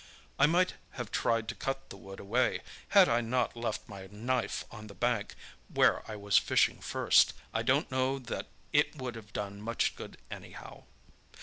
I might have tried to cut the wood away, had I not left my knife on the bank, where I was fishing first. I don't know that it would have done much good, anyhow.